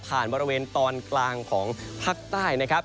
บริเวณตอนกลางของภาคใต้นะครับ